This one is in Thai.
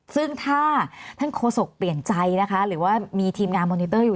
ซึ่งถ้าท่านโฆษกเปลี่ยนใจนะคะหรือว่ามีทีมงานมอนิเตอร์อยู่